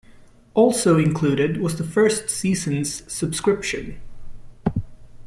Also included was the first season's subscription.